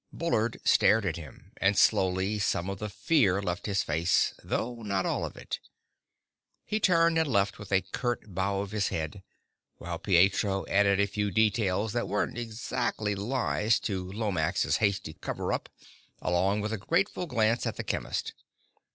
Bullard stared at him, and slowly some of the fear left his face though not all of it. He turned and left with a curt bow of his head, while Pietro added a few details that weren't exactly lies to Lomax's hasty cover up, along with a grateful glance at the chemist.